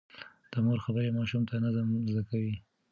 د مور خبرې ماشوم ته نظم زده کوي.